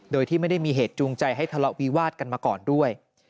โดยที่ไม่ได้มีเหตุจูงใจให้ทะเลาะวิวาดกันมาก่อนด้วย